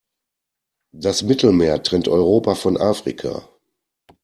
Das Mittelmeer trennt Europa von Afrika.